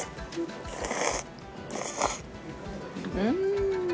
うん！